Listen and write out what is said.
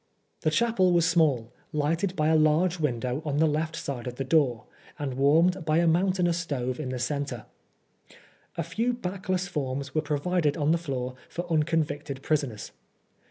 The chapel was small, lighted by a large window on the left side from the door, and warmed by a moun tainous stove in the centre. A few backless forms were provided on the floor for unconvicted prisoners.